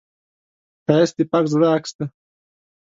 ښایست د پاک زړه عکس دی